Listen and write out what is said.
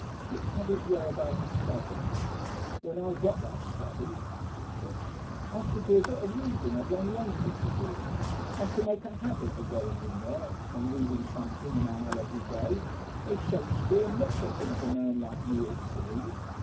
Kipps had his way about a study. "When I get that study," said Kipps, "I shall do a bit of reading I've long wanted to do. I shall make a habit of going in there and reading something an hour every day. There's Shakespeare and a lot of things a man like me ought to read.